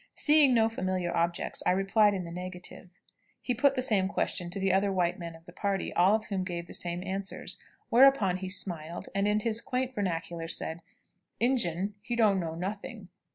Seeing no familiar objects, I replied in the negative. He put the same question to the other white men of the party, all of whom gave the same answers, whereupon he smiled, and in his quaint vernacular said, "Injun he don't know nothing.